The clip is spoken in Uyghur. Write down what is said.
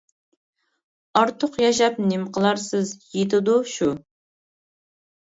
ئارتۇق ياشاپ نېمە قىلارسىز؟ يېتىدۇ شۇ.